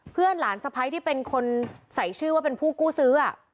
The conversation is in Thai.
เพื่อนหลานสะพ้ายที่เป็นคนใส่ชื่อว่าเป็นผู้กู้ซื้อ